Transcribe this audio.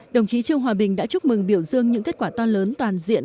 đồng chí trương hòa bình đã chúc mừng biểu dương những kết quả to lớn toàn diện